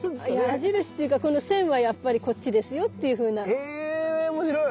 矢印っていうかこの線はやっぱりこっちですよっていうふうな。へおもしろい。